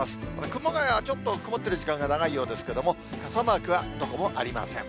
熊谷はちょっと曇ってる時間が長いようですけれども、傘マークはどこもありません。